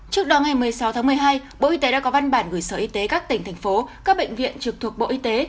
trước đó ngày một mươi sáu tháng một mươi hai bộ y tế đã có văn bản gửi sở y tế các tỉnh thành phố các bệnh viện trực thuộc bộ y tế